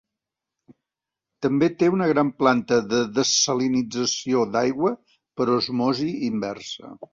També té una gran planta de dessalinització d'aigua per osmosi inversa.